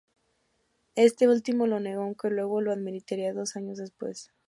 Este último lo negó aunque luego lo admitiría dos años más tarde.